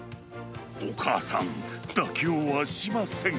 お母さん、妥協はしません。